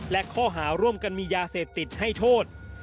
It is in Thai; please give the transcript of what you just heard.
และข้อหาร่วมกันมียาเสพติดให้โทษ